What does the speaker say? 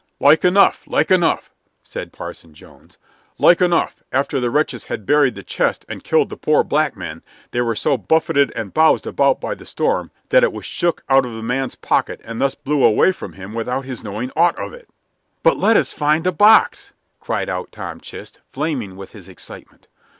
"Like enough; like enough," said Parson Jones. "Like enough, after the wretches had buried the chest and killed the poor black man, they were so buffeted and bowsed about by the storm that it was shook out of the man's pocket, and thus blew away from him without his knowing aught of it." "But let us find the box!" cried out Tom Chist, flaming with his excitement.